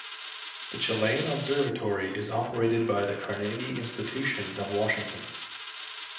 The Chilean observatory is operated by the Carnegie Institution of Washington.